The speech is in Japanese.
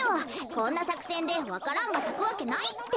こんなさくせんでわか蘭がさくわけないって。